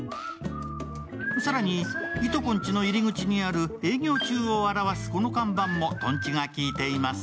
更に、いとこんちの入り口にある営業中を表すこの看板もとんちが効いています。